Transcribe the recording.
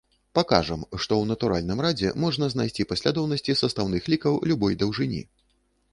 Пакажам, што ў натуральным радзе можна знайсці паслядоўнасці састаўных лікаў любой даўжыні.